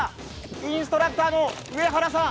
インストラクターの上原さん